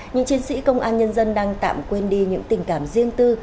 những chiến sĩ công an nhân dân đang tạm quên đi những tình cảm riêng tư